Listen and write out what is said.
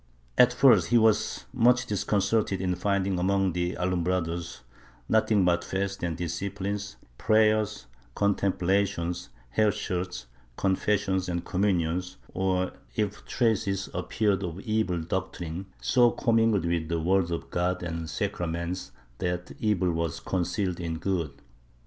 At first he was much disconcerted in finding among the Alumbrados nothing but fasts and disciphnes, prayers, contem plation, hair shirts, confessions and communions or, if traces 22 MYSTICISM [Book VIII appeared of evil doctrines, so commingled with the words of God and the sacraments that evil was concealed in good.